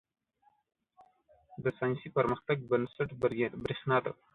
• د ساینسي پرمختګ بنسټ برېښنا ده.